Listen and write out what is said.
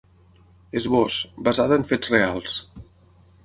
Esbós: Basada en fets reals.